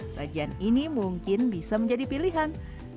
sajian ini mungkin bisa menjadi pilihan